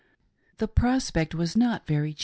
The prospect was not very cheering.